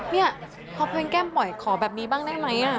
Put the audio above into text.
เนี่ยพอเพลงแก้มปล่อยขอแบบนี้บ้างได้ไหม